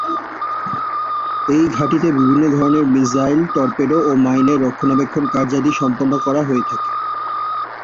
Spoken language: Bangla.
এই ঘাঁটিতে বিভিন্ন ধরনের মিসাইল, টর্পেডো ও মাইনের রক্ষণাবেক্ষণ কার্যাদি সম্পন্ন করা হয়ে থাকে।